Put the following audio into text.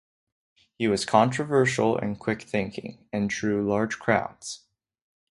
He was controversial and quick-thinking, and drew large crowds.